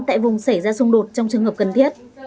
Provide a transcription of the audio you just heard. tại vùng xảy ra xung đột trong trường hợp cần thiết